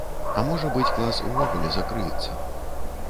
А можа быць, клас увогуле закрыецца.